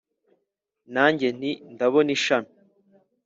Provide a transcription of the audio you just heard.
Nanjye nti ndabona ishami